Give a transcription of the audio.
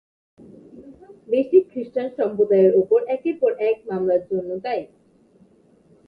দেশটির খ্রিষ্টান সম্প্রদায়ের ওপর একের পর এক হামলার জন্য দায়ী।